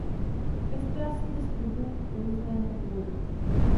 Pestrá směs druhů různého původu.